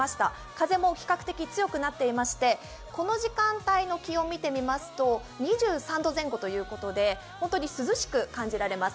風も比較的強くなっていまして、この時間帯の気温見てみますと２３度前後ということで、本当に涼しく感じられます。